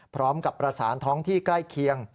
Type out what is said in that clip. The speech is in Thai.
พร้อมกับประสานท้องที่ใกล้เคียง